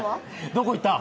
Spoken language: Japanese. どこ行った？